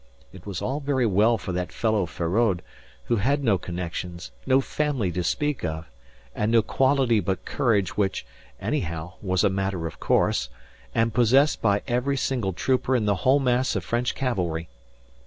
It was all very well for that fellow Feraud, who had no connections, no family to speak of, and no quality but courage which, anyhow, was a matter of course, and possessed by every single trooper in the whole mass of French cavalry.